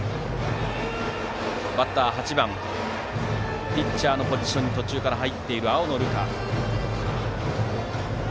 バッターは８番ピッチャーのポジションに途中から入っている青野流果。